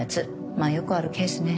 まあよくあるケースね。